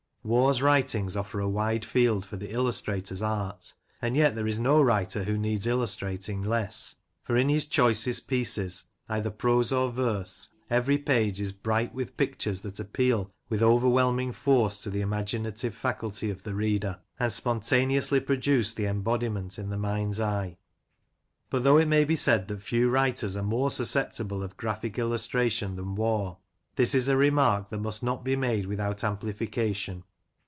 Waugh's writings offer a wide field for the illustrator's art, and yet there is no writer who needs illustrating less; for in his choicest pieces, either prose or verse, every page is bright with pictures that appeal with overwhelming force to the imaginative faculty of the reader, and spontaneously pro duce the embodiment in the mind's eye. But though it may be said that few writers are more susceptible of graphic illustration than Waugh, this is a remark that must not be made without amplification.